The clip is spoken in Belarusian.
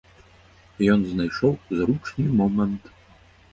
Ён знайшоў зручны момант.